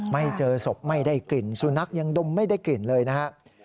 ไม่เจอศพไม่ได้กลิ่นสุนัขยังดมไม่ได้กลิ่นเลยนะครับ